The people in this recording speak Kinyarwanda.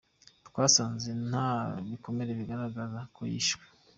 Twasanze nta bikomere bigaragaza ko yishwe.